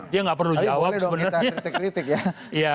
dia nggak perlu jawab sebenarnya